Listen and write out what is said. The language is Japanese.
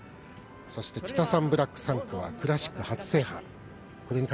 そして、キタサンブラック産駒はクラシック初制覇。